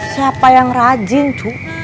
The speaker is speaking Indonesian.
siapa yang rajin cu